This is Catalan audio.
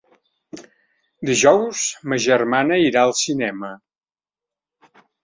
Dijous ma germana irà al cinema.